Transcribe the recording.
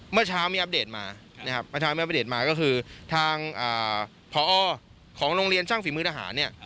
เมื่อเช้ามีอัพเดทมามีอัพเดทมาก็คือทางพอของโรงเรียนช่างฝีมือทหารเนี่ย